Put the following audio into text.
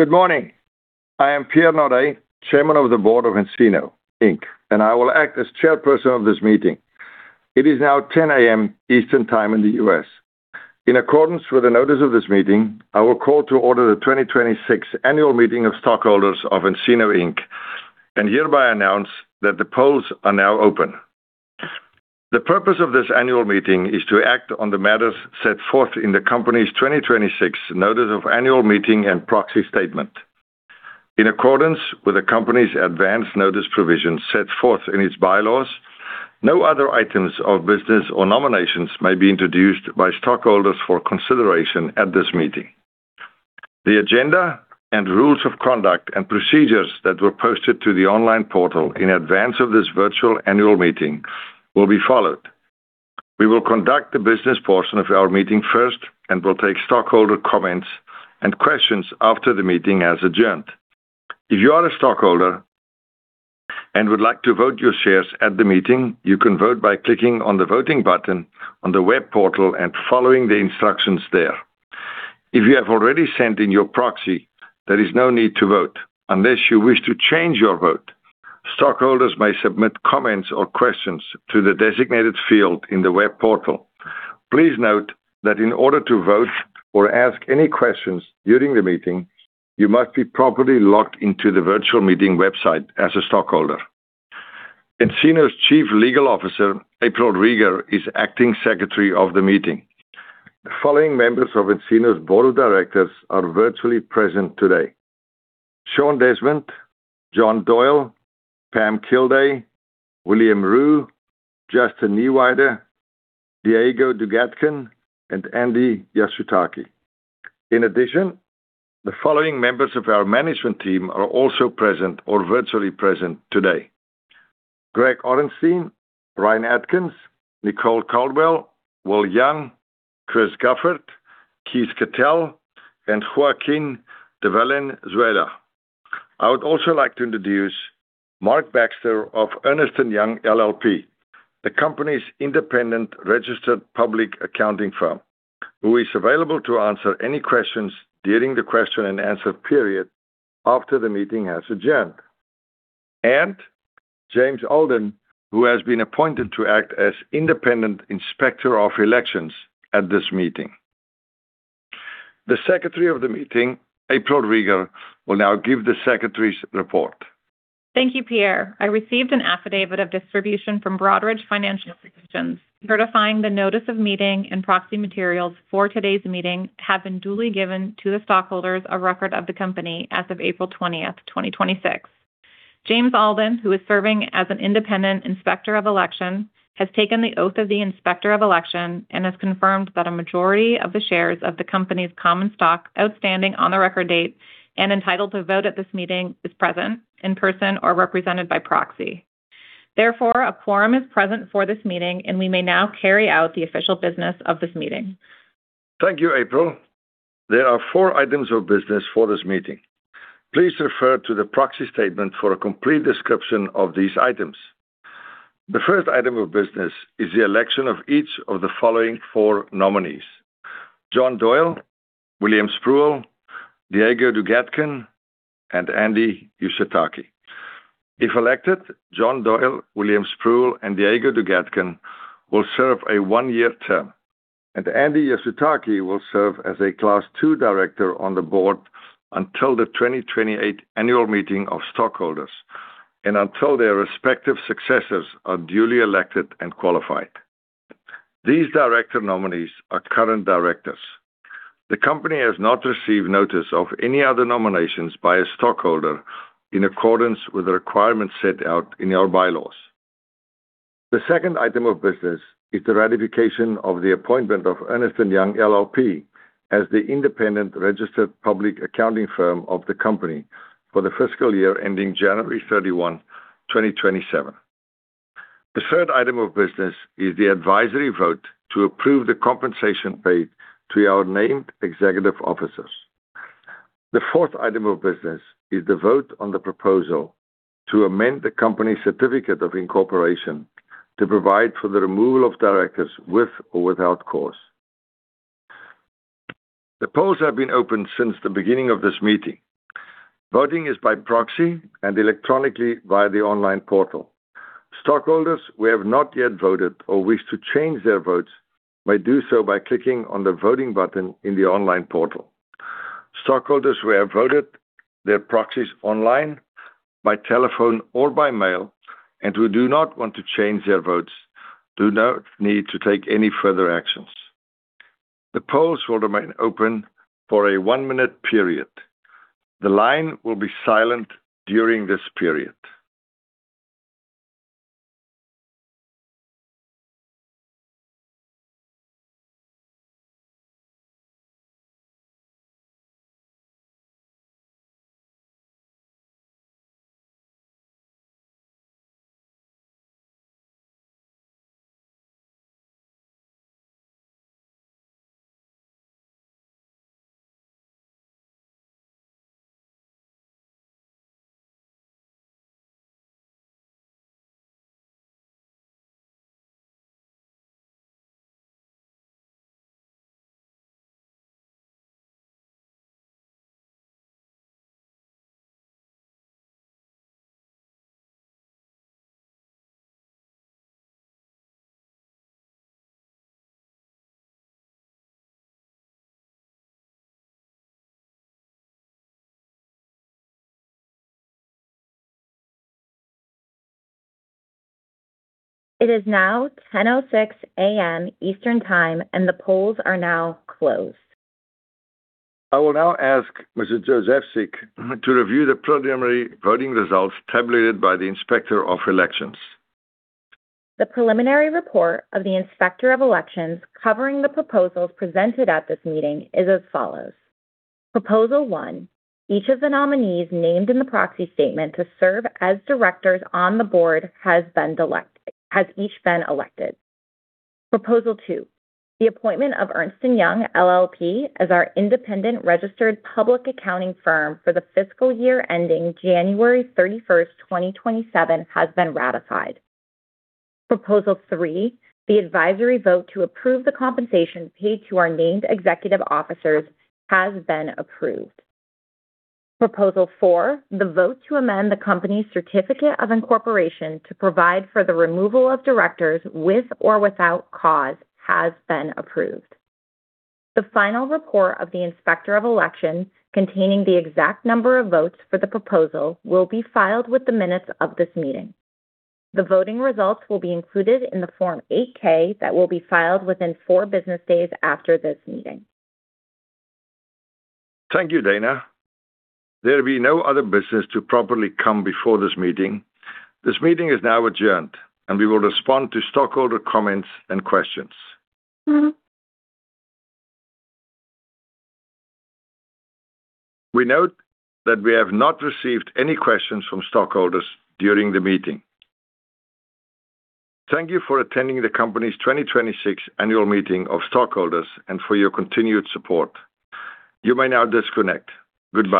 Good morning. I am Pierre Naudé, Chairman of the Board of nCino, Inc., and I will act as chairperson of this meeting. It is now 10:00 A.M. Eastern Time in the U.S. In accordance with the notice of this meeting, I will call to order the 2026 annual meeting of stockholders of nCino, Inc., and hereby announce that the polls are now open. The purpose of this annual meeting is to act on the matters set forth in the company's 2026 notice of annual meeting and proxy statement. In accordance with the company's advance notice provisions set forth in its bylaws, no other items of business or nominations may be introduced by stockholders for consideration at this meeting. The agenda and rules of conduct and procedures that were posted to the online portal in advance of this virtual annual meeting will be followed. We will conduct the business portion of our meeting first and will take stockholder comments and questions after the meeting has adjourned. If you are a stockholder and would like to vote your shares at the meeting, you can vote by clicking on the voting button on the web portal and following the instructions there. If you have already sent in your proxy, there is no need to vote unless you wish to change your vote. Stockholders may submit comments or questions through the designated field in the web portal. Please note that in order to vote or ask any questions during the meeting, you must be properly logged into the virtual meeting website as a stockholder. nCino's Chief Legal Officer, April Rieger, is Acting Secretary of the meeting. The following members of nCino's Board of Directors are virtually present today: Sean Desmond, Jon Doyle, Pam Kilday, William Ruh, Justin Nyweide, Diego Dugatkin, and Andy Yasutake. In addition, the following members of our management team are also present or virtually present today: Greg Orenstein, Ryan Atkins, Nicole Caldwell, Will Jung, Chris Guilford, Keith Kettell, and Joaquín de Valenzuela. I would also like to introduce Mark Baxter of Ernst & Young LLP, the company's independent registered public accounting firm, who is available to answer any questions during the question and answer period after the meeting has adjourned. James Alden, who has been appointed to act as independent Inspector of Elections at this meeting. The Secretary of the meeting, April Rieger, will now give the Secretary's report. Thank you, Pierre. I received an affidavit of distribution from Broadridge Financial Solutions, certifying the notice of meeting and proxy materials for today's meeting have been duly given to the stockholders of record of the company as of April 20th, 2026. James Alden, who is serving as an independent Inspector of Election, has taken the oath of the Inspector of Election and has confirmed that a majority of the shares of the company's common stock outstanding on the record date and entitled to vote at this meeting is present in person or represented by proxy. Therefore, a quorum is present for this meeting, and we may now carry out the official business of this meeting. Thank you, April. There are four items of business for this meeting. Please refer to the proxy statement for a complete description of these items. The first item of business is the election of each of the following four nominees: Jon Doyle, William Spruill, Diego Dugatkin, and Andy Yasutake. If elected, Jon Doyle, William Spruill, and Diego Dugatkin will serve a one-year term, and Andy Yasutake will serve as a Class II Director on the Board until the 2028 annual meeting of stockholders and until their respective successors are duly elected and qualified. These Director nominees are current Directors. The company has not received notice of any other nominations by a stockholder in accordance with the requirements set out in our bylaws. The second item of business is the ratification of the appointment of Ernst & Young LLP as the independent registered public accounting firm of the company for the fiscal year ending January 31, 2027. The third item of business is the advisory vote to approve the compensation paid to our named executive officers. The fourth item of business is the vote on the proposal to amend the company's certificate of incorporation to provide for the removal of Directors with or without cause. The polls have been open since the beginning of this meeting. Voting is by proxy and electronically via the online portal. Stockholders who have not yet voted or wish to change their votes may do so by clicking on the voting button in the online portal. Stockholders who have voted their proxies online, by telephone, or by mail and who do not want to change their votes do not need to take any further actions. The polls will remain open for a one-minute period. The line will be silent during this period. It is now 10:06 A.M. Eastern Time, the polls are now closed. I will now ask Ms. Jozefczyk to review the preliminary voting results tabulated by the Inspector of Elections. The preliminary report of the Inspector of Elections covering the proposals presented at this meeting is as follows. Proposal one, each of the nominees named in the proxy statement to serve as directors on the board has each been elected. Proposal two, the appointment of Ernst & Young LLP as our independent registered public accounting firm for the fiscal year ending January 31st, 2027, has been ratified. Proposal three, the advisory vote to approve the compensation paid to our named executive officers has been approved. Proposal four, the vote to amend the company's certificate of incorporation to provide for the removal of directors with or without cause has been approved. The final report of the Inspector of Elections containing the exact number of votes for the proposal will be filed with the minutes of this meeting. The voting results will be included in the Form 8-K that will be filed within four business days after this meeting. Thank you, Dana. There will be no other business to properly come before this meeting. This meeting is now adjourned, and we will respond to stockholder comments and questions. We note that we have not received any questions from stockholders during the meeting. Thank you for attending the company's 2026 Annual Meeting of Stockholders and for your continued support. You may now disconnect. Goodbye